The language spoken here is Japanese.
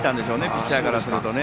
ピッチャーからすると。